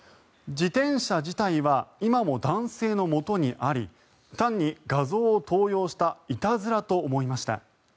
自転車自体は今も男性のもとにあり単に画像を盗用したいたずらと思いました。